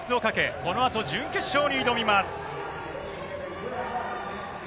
このあと準決勝に挑みます。